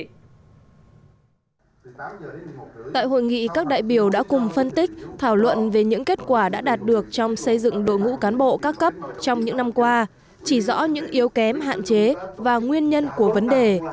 tại hội nghị các đại biểu đã cùng phân tích thảo luận về những kết quả đã đạt được trong xây dựng đội ngũ cán bộ các cấp trong những năm qua chỉ rõ những yếu kém hạn chế và nguyên nhân của vấn đề